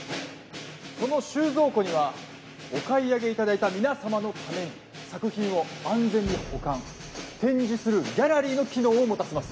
その収蔵庫にはお買い上げいただいた皆さまのために作品を安全に保管展示するギャラリーの機能を持たせます。